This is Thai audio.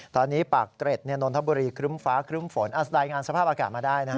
ตอนนี้ปากเตร็จโดนทบุรีครึ่มฟ้าครึ่มฝนอัสดายงานสภาพอากาศมาได้นะครับ